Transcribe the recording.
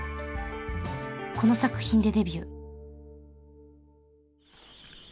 この作品でデビュー。